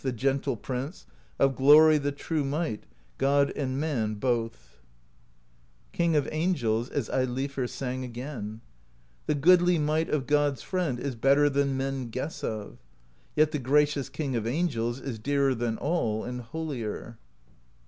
The Gentle Prince, of glory The true might, God and man both. 196 PROSE EDDA King of Angels, as Eilifr sang again : The goodly might of God's friend Is better than men guess of; Yet the Gracious King of Angels Is dearer than all, and holier.